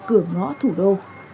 cửa ngõ thủ đô